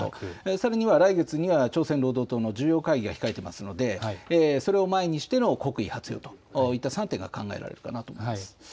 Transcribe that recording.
さらには来月には朝鮮労働党の重要会議が控えてますので、それを前にしての国威発揚といった３点が考えられるかなと思いま